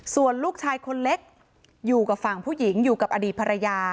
ส่วนลูกชายคนเล็กอยู่กับฝั่งผู้หญิงอยู่กับอดีตภรรยา